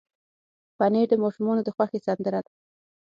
پنېر د ماشومانو د خوښې سندره ده.